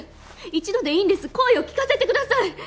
一度でいいんです声を聞かせてください！